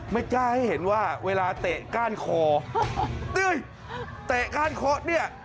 ไม่จ้าให้เห็นว่าเวลาเตะก้านคอเตะก้านคอเนี่ย